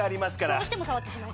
どうしても触ってしまう。